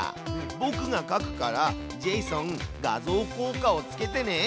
ぼくがかくからジェイソン画像効果をつけてね！